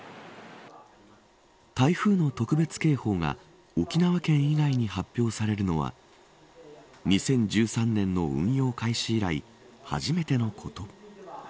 台風の特別警報が沖縄県以外に発表されるのは２０１３年の運用開始以来初めてのこと。